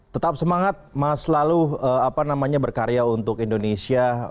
tetap semangat mas selalu berkarya untuk indonesia